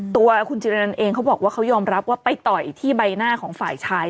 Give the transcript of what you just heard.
ตัวคุณจิรนันเองเขาบอกว่าเขายอมรับว่าไปต่อยที่ใบหน้าของฝ่ายชาย